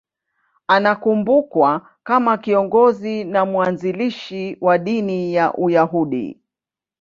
Anakumbukwa kama kiongozi na mwanzilishi wa dini ya Uyahudi.